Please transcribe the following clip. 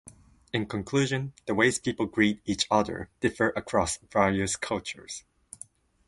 In conclusion, the ways people greet each other differ across various cultures.